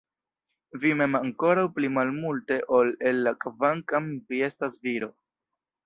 Vi mem ankoraŭ pli malmulte ol Ella kvankam vi estas viro!